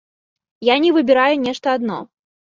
Я не выбіраю нешта адно.